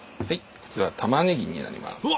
こちらはたまねぎになります。